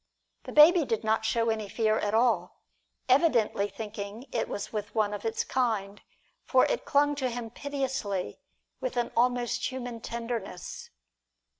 The baby did not show any fear at all, evidently thinking it was with one of its kind, for it clung to him piteously, with an almost human tenderness.